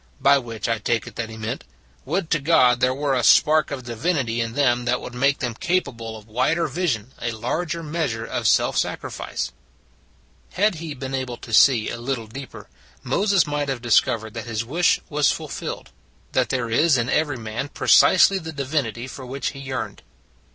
By which I take it that Re meant, "Would to God there were a spark of divinity in them that would make them Distributing Medals 189 capable of wider vision, a larger measure of self sacrifice." Had he been able to see a little deeper, Moses might have discovered that his wish was fulfilled: that there is in every man precisely the divinity for which he yearned.